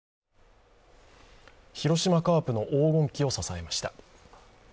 広島カープの黄金期を支えました。